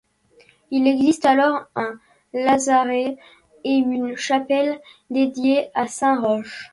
Il existe alors un lazaret et une chapelle dédiée à saint Roch.